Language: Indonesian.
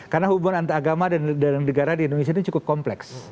karena hubungan antara agama dan negara di indonesia ini cukup kompleks